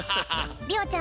りおちゃんはね